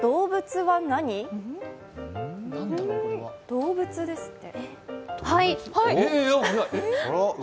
動物ですって。